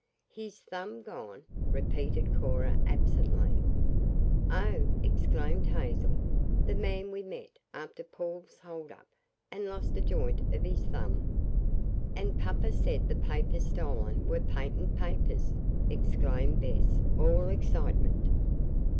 "His thumb gone!" repeated Cora absently. "Oh!" exclaimed Hazel. "The man we met after Paul's hold up had lost a joint of his thumb." "And papa said the papers stolen were patent papers!" exclaimed Bess, all excitement.